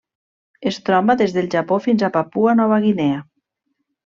Es troba des del Japó fins a Papua Nova Guinea.